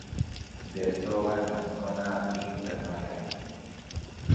Desova en la zona intermareal.